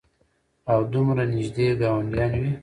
او دومره نېږدې ګاونډيان وي